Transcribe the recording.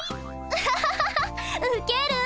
ハハハハハウケる。